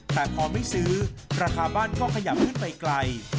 แต่พอไม่ซื้อราคาบ้านก็ขยับขึ้นไปไกล